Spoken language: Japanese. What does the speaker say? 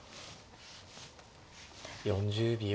４０秒。